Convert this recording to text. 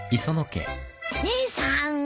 姉さん。